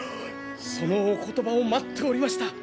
そのお言葉を待っておりました。